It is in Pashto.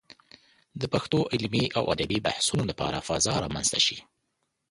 د پښتو د علمي او ادبي بحثونو لپاره فضا رامنځته شي.